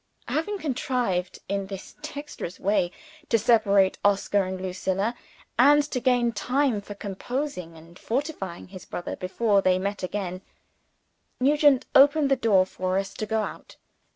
Having contrived in this dexterous way to separate Oscar and Lucilla, and to gain time for composing and fortifying his brother before they met again, Nugent opened the door for us to go out.